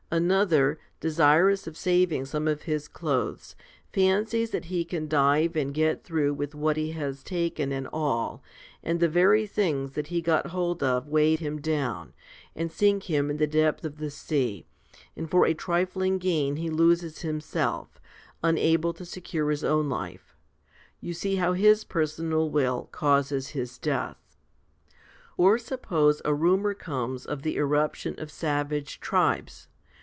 Another, desirous of saving some of his clothes, fancies that he can dive and get through with what he has taken and all, and the very things that he got hold of weigh him down, and sink him in the depth of the sea, and for a trifling gain he loses himself, unable to secure his own life. You see how his personal will causes his death, Or suppose a rumour comes of the irruption of 48 FIFTY SPIRITUAL HOMILIES savage tribes.